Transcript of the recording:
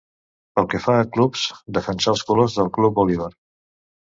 Pel que fa a clubs, defensà els colors del Club Bolívar.